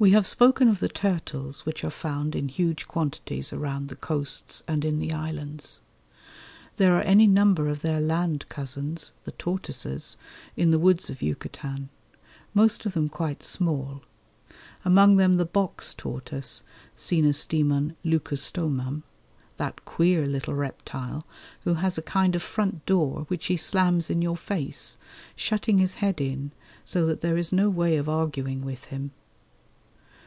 We have spoken of the turtles which are found in huge quantities around the coasts and in the islands. There are any number of their land cousins, the tortoises, in the woods of Yucatan, most of them quite small, among them the box tortoise (Cinostemon leucostomum), that queer little reptile who has a kind of front door which he slams in your face, shutting his head in so that there is no way of arguing with him.